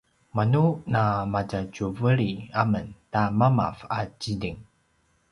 manu na matjatjuveli amen ta mamav a ziting